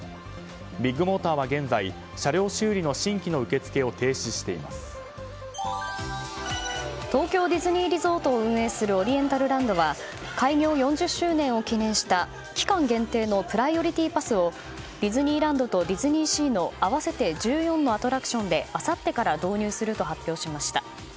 ビッグモーターは現在車両修理の新規の受け付けを東京ディズニーリゾートを運営するオリエンタルランドは開業４０周年を記念した期間限定のプライオリティパスをディズニーランドとディズニーシーの合わせて１４のアトラクションであさってから導入すると発表しました。